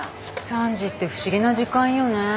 ３時って不思議な時間よね。